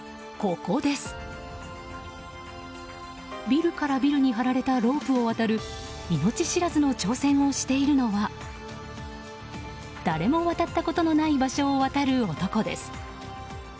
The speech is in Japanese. ビルからビルに張られたロープを渡る命知らずの挑戦をしているのは誰も渡ったことのない場所を渡る男です。